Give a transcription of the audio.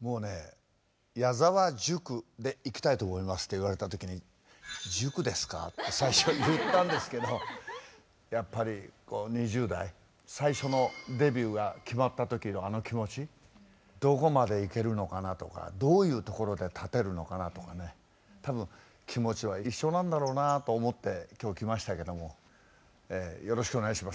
もうね「矢沢塾でいきたいと思います」って言われた時に「塾ですか？」って最初言ったんですけどやっぱり２０代最初のデビューが決まった時のあの気持ちどこまで行けるのかなとかどういうところで立てるのかなとかね多分気持ちは一緒なんだろうなと思って今日来ましたけどもえよろしくお願いします。